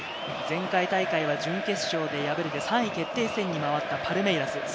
前回大会は準決勝で敗れて、３位決定戦に回ったパルメイラス。